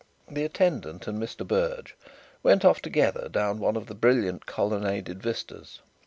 The attendant and Mr. Berge went off together down one of the brilliant colonnaded vistas.